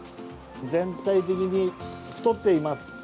全体的に太っています。